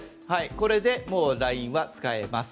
これでもうＬＩＮＥは使えます。